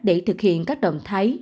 để thực hiện các động thái